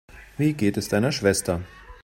Wie geht es deiner Schwester?